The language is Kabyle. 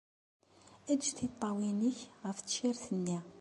Eǧǧ tiṭṭawin-nnek ɣef tcirt-nni.